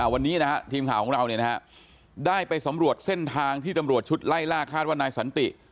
วันนี้ทีมข่าวของเราได้ไปสำรวจเส้นทางที่ตำรวจชุดไล่ล่าคาดว่านายสันติ